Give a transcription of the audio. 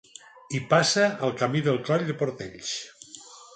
Hi passa el Camí del Coll de Portells.